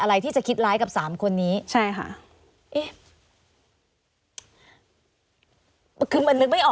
ในการสืบในการชี้เป้าได้ยังไง